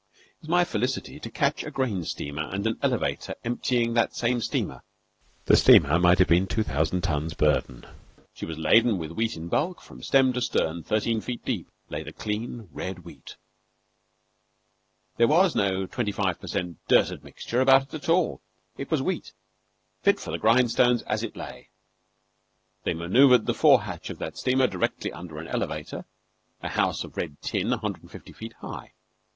It was my felicity to catch a grain steamer and an elevator emptying that same steamer. The steamer might have been two thousand tons burden. She was laden with wheat in bulk; from stem to stern, thirteen feet deep, lay the clean, red wheat. There was no twenty five per cent dirt admixture about it at all. It was wheat, fit for the grindstones as it lay. They manoeuvred the fore hatch of that steamer directly under an elevator a house of red tin a hundred and fifty feet high.